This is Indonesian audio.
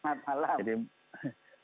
apa yang bisa kita pahami dari situasi ini